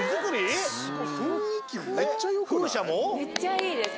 すごいめっちゃいいです。